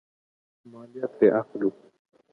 مالیه ترې اخلو.